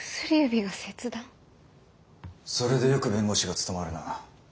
それでよく弁護士が務まるな。